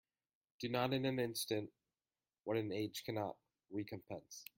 Do not in an instant what an age cannot recompense.